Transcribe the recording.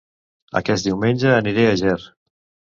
Aquest diumenge aniré a Ger